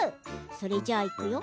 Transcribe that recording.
それじゃあ、いくよ！